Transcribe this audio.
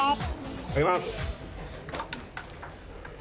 いただきます。